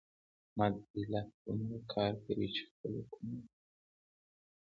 احمد ایله دومره کار کوي چې خپله کونه پرې پټه کړي.